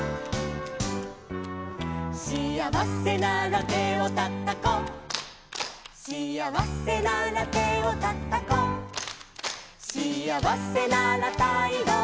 「しあわせなら手をたたこう」「」「しあわせなら手をたたこう」「」「しあわせなら態度でしめそうよ」